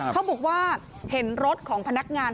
เขาบอกว่าเห็นรถของพนักงาน